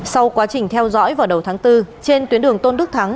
sau quá trình theo dõi vào đầu tháng bốn trên tuyến đường tôn đức thắng